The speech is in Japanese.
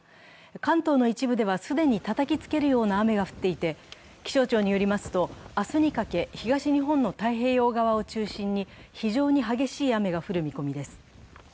関東の一部では既にたたきつけるような雨が降っていて、気象庁によりますと明日にかけ東日本の太平洋側を中心に非常に激しい雨が降る見込みです。